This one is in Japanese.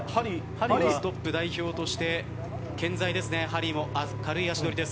ストップ代表として健在ですね、ハリーも軽い足取りです。